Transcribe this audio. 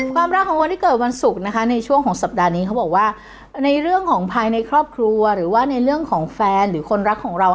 ความรักของคนที่เกิดวันศุกร์นะคะในช่วงของสัปดาห์นี้เขาบอกว่าในเรื่องของภายในครอบครัวหรือว่าในเรื่องของแฟนหรือคนรักของเรา